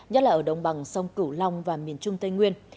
nhất là ở đồng bằng sông cửu long và miền trung tây nguyên